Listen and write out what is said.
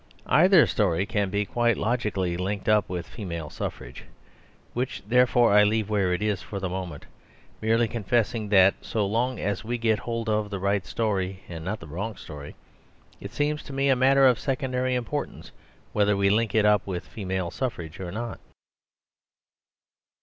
Either story can be quite logically linked up with Female Suffrage, which, therefore, I leave where it is for the moment; merely confessing that, so long as we get hold of the right story and not the wrong story, it seems to me a matter of secondary importance whether we link it up with Female Suffrage or not.